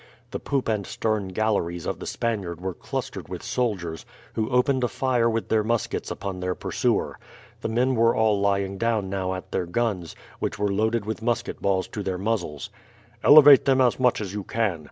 The poop and stern galleries of the Spaniard were clustered with soldiers, who opened a fire with their muskets upon their pursuer. The men were all lying down now at their guns, which were loaded with musket balls to their muzzles. "Elevate them as much as you can.